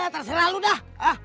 terserah lu dah